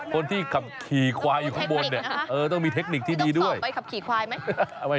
คนที่ขับขี่ควายอยู่ข้างบนเนี่ยต้องมีเทคนิคที่ดีด้วยใบขับขี่ควายไหม